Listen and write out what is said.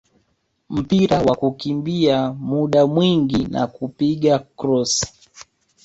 mpira wa kukimbia muda mwingi na kupiga krosi